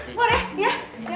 keluar ya ya